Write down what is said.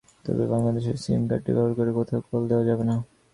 তবে বাংলাদেশে সিম কার্ডটি ব্যবহার করে কোথাও কল দেওয়া যাবে না।